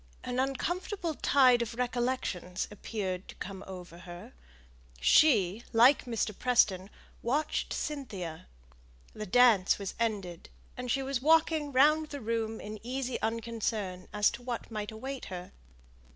An uncomfortable tide of recollections appeared to come over her; she, like Mr. Preston, watched Cynthia; the dance was ended, and she was walking round the room in easy unconcern as to what might await her.